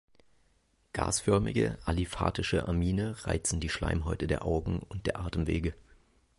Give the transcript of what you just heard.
Gasförmige aliphatische Amine reizen die Schleimhäute der Augen und der Atemwege.